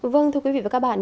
vâng thưa quý vị và các bạn